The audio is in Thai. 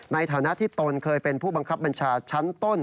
ในฐานะที่ตนเคยเป็นผู้บังคับบัญชาชั้นต้น